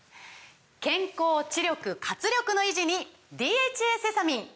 健康・知力・活力の維持に「ＤＨＡセサミン」！